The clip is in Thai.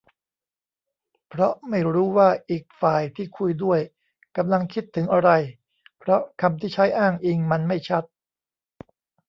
เพราะไม่รู้ว่าอีกฝ่ายที่คุยด้วยกำลังคิดถึงอะไร เพราะคำที่ใช้อ้างอิงมันไม่ชัด